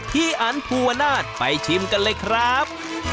อันภูวนาศไปชิมกันเลยครับ